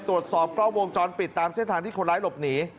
ตรวจสอบกล้องวงจรปิดตามเส้นทางที่คนร้ายหลบหนี